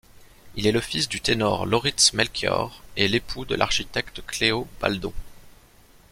Il est le fils du ténor Lauritz Melchior et l'époux de l'architecte Cleo Baldon.